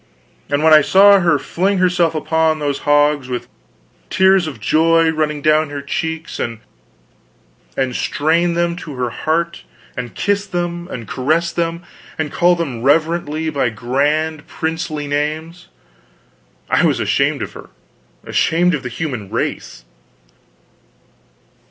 And when I saw her fling herself upon those hogs, with tears of joy running down her cheeks, and strain them to her heart, and kiss them, and caress them, and call them reverently by grand princely names, I was ashamed of her, ashamed of the human race.